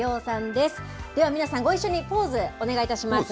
では皆さん、ご一緒にポーズ、お願いいたします。